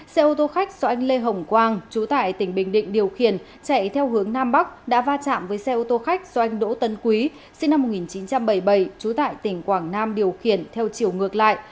xe ô tô khách do anh lê hồng quang chú tại tỉnh bình định điều khiển chạy theo hướng nam bắc đã va chạm với xe ô tô khách do anh đỗ tấn quý sinh năm một nghìn chín trăm bảy mươi bảy trú tại tỉnh quảng nam điều khiển theo chiều ngược lại